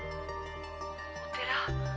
「お寺」